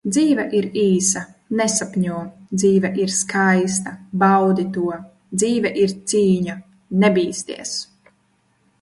Dzīve ir īsa - nesapņo, Dzīve ir skaista - baudi to, Dzīve ir cīņa - nebīsties!